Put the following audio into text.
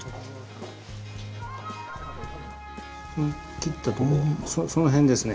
切った所その辺ですね。